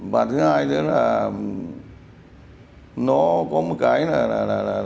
và thứ hai nó có một cái là